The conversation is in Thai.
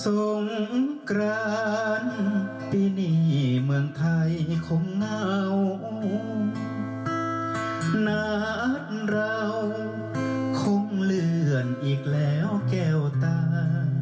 สงกรานปีนี้เมืองไทยคงเหงานานเราคงเลื่อนอีกแล้วแก้วตา